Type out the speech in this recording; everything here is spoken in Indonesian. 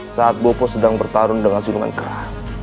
saat bobo sedang bertarung dengan siluman kera